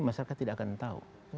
masyarakat tidak akan tahu